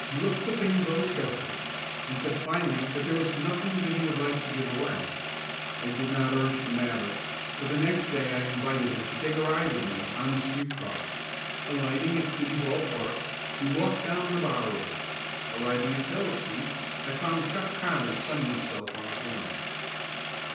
He looked the things over carefully, and said finally that there was nothing that he would like to give away. I did not urge the matter; but the next day I invited him to take a ride with me on the street car. Alighting at City Hall Park, we walked down the Bowery. Arriving at Pell Street, I found Chuck Connors sunning himself on the corner.